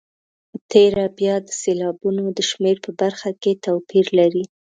په تېره بیا د سېلابونو د شمېر په برخه کې توپیر لري.